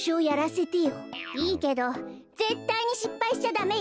いいけどぜったいにしっぱいしちゃダメよ。